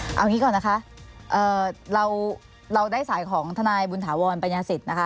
เอางี้ก่อนนะคะเราได้สายของทนายบุญถาวรปัญญาสิทธินะคะ